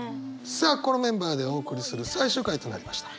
さあこのメンバーでお送りする最終回となりました。